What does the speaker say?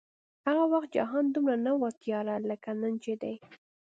هغه وخت جهان دومره نه و تیاره لکه نن چې دی